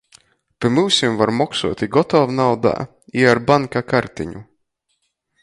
Pi myusu var moksuot i gotovnaudā, i ar banka karteņu.